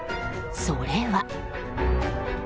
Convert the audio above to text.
それは。